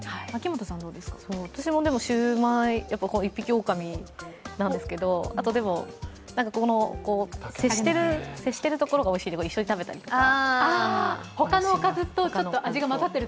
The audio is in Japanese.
私もシウマイ、一匹おおかみなんですけどでも、接してるところがおいしいので、一緒に食べたりとか。